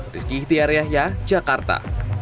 riski ihtiar ya jakarta